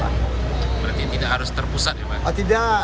berarti tidak harus terpusat ya pak